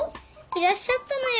いらっしゃったのよ。